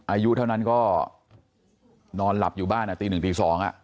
อายุเท่านั้นก็นอนหลับอยู่บ้านตีหนึ่งตี๒